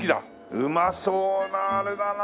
うまそうなあれだな。